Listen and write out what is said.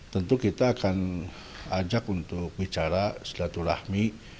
tentu kita akan ajak untuk bicara silaturahmi